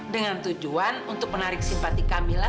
dengan tujuan untuk menarik simpati kamila